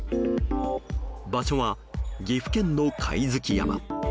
場所は岐阜県の貝月山。